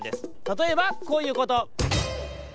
たとえばこういうこと。